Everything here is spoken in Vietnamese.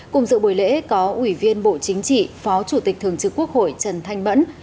cùng dự buổi lễ có ủy viên bộ chính trị phó chủ tịch thường trực quốc hội trần thanh mẫn